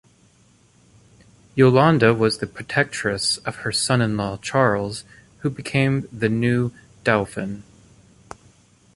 Yolande was the protectress of her son-in-law, Charles, who became the new Dauphin.